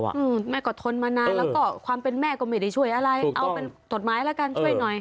อืมแม่ก็ทนมานานแล้วก็ความเป็นแม่ก็ไม่ได้ช่วยอะไรเอาเป็นกฎหมายแล้วกันช่วยหน่อย